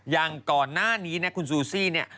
อย่างก่อนหน้านี้นะคุณซูซี่เนี่ย